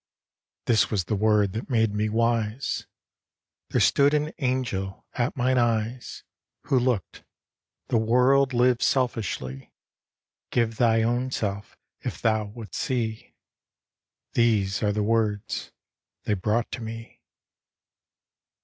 This was the word that made me wise: There stood an angel at mine eyes, Who looked, "The world lives selfishly. Give thy own self if thou wouldst see." These are the words they brought to me.